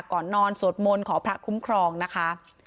ก่อนนอนสวดมนต์ขอพระคุ้มครองนะคะ